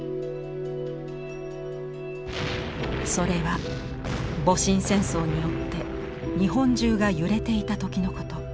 それは戊辰戦争によって日本中が揺れていた時のこと。